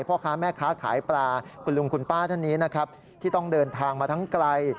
พ่อค้าแม่ค้าขายปลาคุณลุงคุณป้าท่านนี้นะครับที่ต้องเดินทางมาทั้งไกล